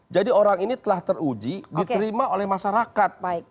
jadi orang ini telah teruji diterima oleh masyarakat